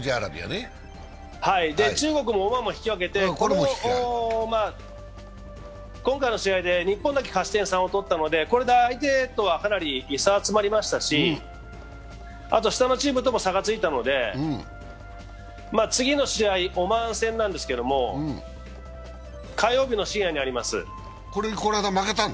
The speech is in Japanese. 中国もオマーンも引き分けて、今回の試合で日本だけ勝ち点３を取ったのでこれで相手とはかなり差が詰まりましたしあと下のチームとも差がついたので、次の試合、オマーン戦なんですけど火曜日の深夜にあります。